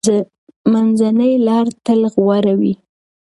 منځنۍ لار تل غوره وي.